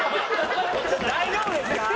大丈夫ですか？